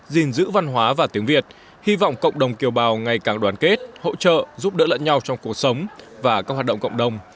gìn giữ văn hóa và tiếng việt hy vọng cộng đồng kiều bào ngày càng đoàn kết hỗ trợ giúp đỡ lẫn nhau trong cuộc sống và các hoạt động cộng đồng